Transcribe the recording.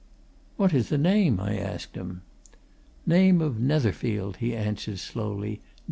"What is the name?" I asked him. "Name of Netherfield," he answered, slowly.